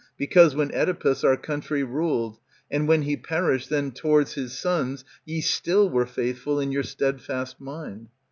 Because when CEdipus our country ruled. And, when he perished, then towards his sons Ye still were faithful in your steadfast mind.